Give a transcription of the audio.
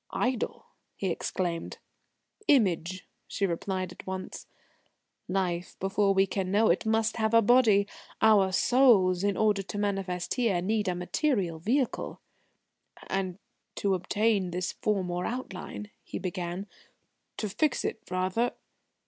"Idol!" he exclaimed. "Image," she replied at once. "Life, before we can know it, must have a body. Our souls, in order to manifest here, need a material vehicle." "And to obtain this form or outline?" he began; "to fix it, rather?"